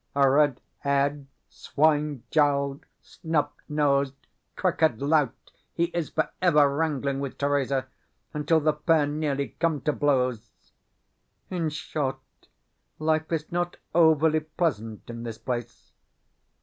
A red haired, swine jowled, snub nosed, crooked lout, he is for ever wrangling with Theresa, until the pair nearly come to blows. In short, life is not overly pleasant in this place.